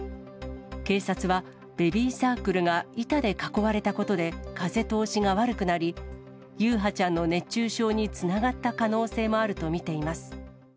警察は、ベビーサークルが板で囲われたことで風通しが悪くなり、優陽ちゃんの熱中症につながった可能性もあると見ています。